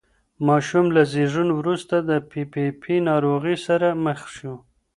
ماشوم له زېږون وروسته د پي پي پي ناروغۍ سره مخ شو.